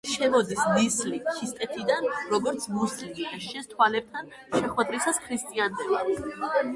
შემოდის ნისლი ქისტეთიდან, როგორც მუსლიმი და შენს თვალებთან შეხვედრისას ქრისტიანდება.